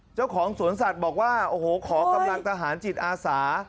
เจ้าของสวนสัตว์บอกว่าโอ้โหขอกำลังทหารจิตอาสา